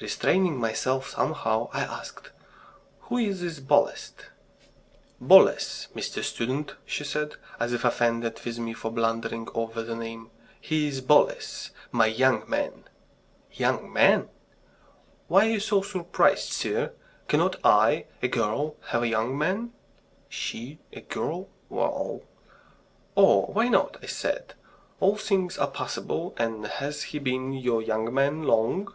Restraining myself somehow, I asked: "Who is this Bolest?" "Boles, Mr. Student," she said, as if offended with me for blundering over the name, "he is Boles my young man." "Young man!" "Why are you so surprised, sir? Cannot I, a girl, have a young man?" She? A girl? Well! "Oh, why not?" I said. "All things are possible. And has he been your young man long?"